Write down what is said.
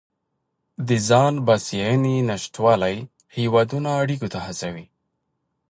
د ځان بسیاینې نشتوالی هیوادونه اړیکو ته هڅوي